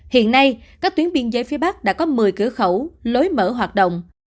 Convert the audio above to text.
hiện nay các tuyến biên giới phía bắc đã có một mươi cửa khẩu lối mở hoạt động